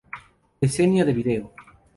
Decenio de vídeo.